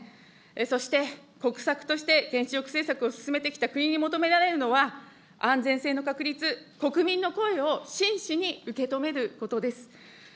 そして、国策として原子力政策を進めてきた国に求められるのは、安全性の確立、国民の声を真摯に受け止めることです。